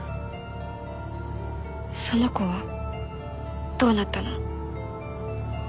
その子はどうなったの？